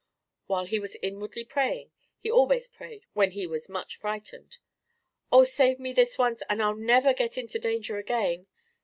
While he was inwardly praying (he always prayed when he was much frightened)—"Oh, save me this once, and I'll never get into danger again!"